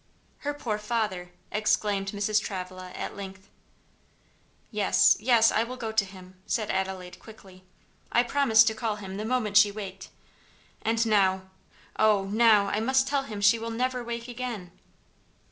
"Her poor father!" exclaimed Mrs. Travilla at length. "Yes, yes, I will go to him," said Adelaide quickly. "I promised to call him the moment she waked, and now oh, now, I must tell him she will never wake again."